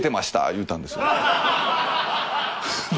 言うたんです。